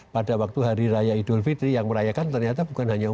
pada waktu hari raya idul fitri yang merayakan ternyata bukan hanya untuk